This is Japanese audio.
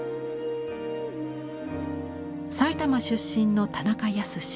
埼玉出身の田中保。